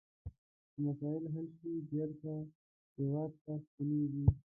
چې مسایل حل شي بیرته هیواد ته ستنیږي.